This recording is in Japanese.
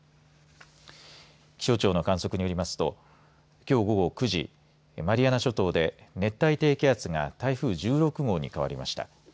気象庁の観測によりますときょう午後９時マリアナ諸島で熱帯低気圧が台風１６号に変わりました。